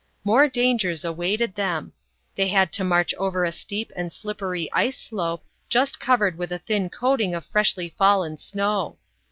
More dangers awaited them. They had to march over a steep and slippery ice slope, just covered with a thin coating of freshly fallen snow.